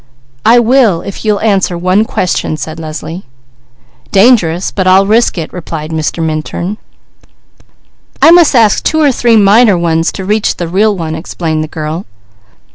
"I will, if you'll answer one question," said Leslie. "Dangerous, but I'll risk it," replied Mr. Minturn. "I must ask two or three minor ones to reach the real one," explained the girl.